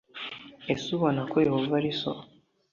ese ubona ko yehova ari so